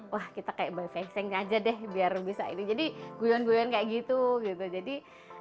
wah kita kayak bayi bayi saing aja deh biar bisa ini jadi guyon guyon kayak gitu gitu jadi